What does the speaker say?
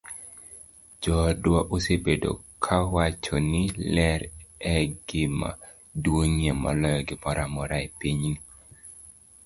Joodwa osebedo kawacho ni ler e gima duong'ie moloyo gimoro amora e pinyni.